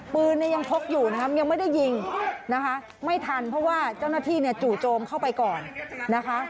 ปืนเนี่ยยังพกอยู่นะครับยังไม่ได้ยิงนะคะไม่ทันเพราะว่าเจ้าหน้าที่เนี่ยจู่โจมเข้าไปก่อนนะคะ